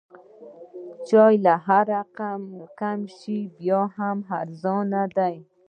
چای که هر څومره کم شي بیا هم ارزانه دی.